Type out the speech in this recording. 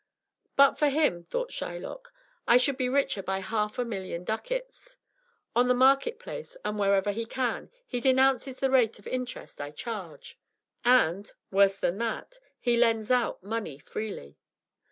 "But for him," thought Shylock, "I should be richer by half a million ducats. On the market place, and wherever he can, he denounces the rate of interest I charge, and worse than that he lends out money freely."